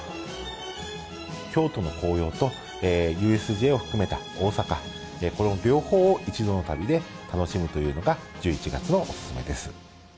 京都の紅葉とＵＳＪを含めた大阪、この両方を一度の旅で楽しむというのが、１１月のお勧めです。